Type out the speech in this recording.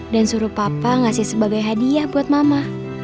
dan suruh papa ngasih sebagai hadiah buat mama